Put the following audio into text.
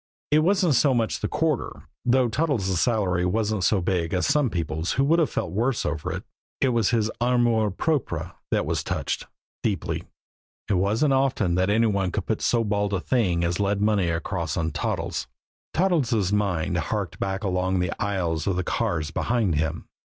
It wasn't so much the quarter, though Toddles' salary wasn't so big as some people's who would have felt worse over it, it was his amour propre that was touched deeply. It wasn't often that any one could put so bald a thing as lead money across on Toddles. Toddles' mind harked back along the aisles of the cars behind him.